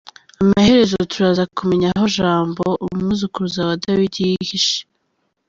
Amaherezo turaza kumenya aho Jambo, umwuzukuruza wa Dawidi yihishe.